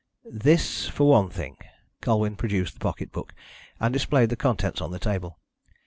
"This, for one thing." Colwyn produced the pocket book, and displayed the contents on the table.